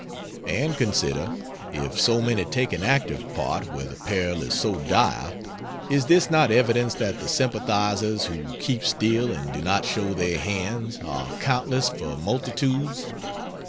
And consider: if so many take an active part, where the peril is so dire, is this not evidence that the sympathizers who keep still and do not show their hands, are countless for multitudes?